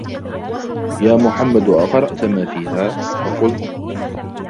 يَا مُحَمَّدُ أَقْرَأْت مَا فِيهَا ؟ فَقُلْت